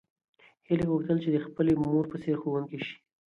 هیلې غوښتل چې د خپلې مور په څېر ښوونکې شي.